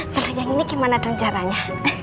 pernah yang ini gimana dan caranya